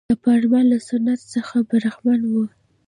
د پارلمان له سنت څخه برخمنه وه.